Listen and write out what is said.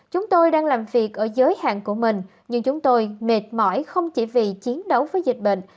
chúng tôi đang làm việc ở giới hạn của mình nhưng chúng tôi mệt mỏi không chỉ vì chiến đấu với dịch bệnh